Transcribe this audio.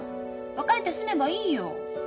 別れて住めばいいよ。